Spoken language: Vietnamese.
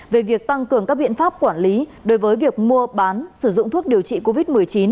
về việc tăng cường các biện pháp quản lý đối với việc mua bán sử dụng thuốc điều trị covid một mươi chín